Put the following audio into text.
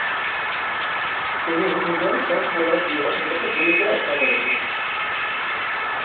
তিনি নিজের শেষ বুলেট দিয়ে নিজেকে গুলি করে হত্যা করেছিলেন।